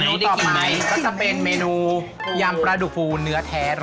ต่อไปก็จะเป็นเมนูยำปลาดุกฟูเนื้อแท้๑๐๐